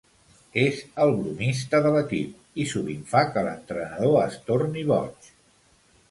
És el bromista de l'equip i sovint fa que l'entrenador es torni boig.